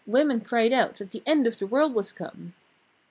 Women cried out that the end of the world was come.